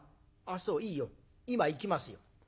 あそういいよ。今行きますよ。